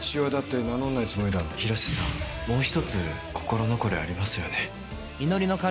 もう１つ心残りありますよね。